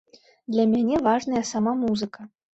Для мяне важная сама музыка.